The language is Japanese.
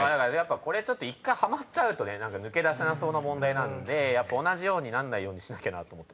これ１回はまっちゃうと抜け出せなそうな問題なんで同じようになんないようにしなきゃなと思ってますね。